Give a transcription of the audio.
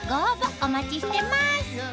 お待ちしてます